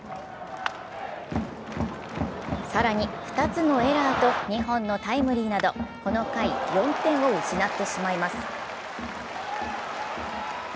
更に２つのエラーと２本のタイムリーなど、この回、４点を失ってしまいます。